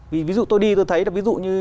vì ví dụ tôi đi tôi thấy là ví dụ như